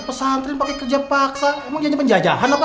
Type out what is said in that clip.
pesantrin pakai kerja paksa emang jadinya penjajahan apa